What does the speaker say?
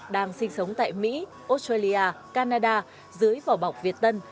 đang sinh sống tại mỹ australia canada dưới vỏ bọc việt tân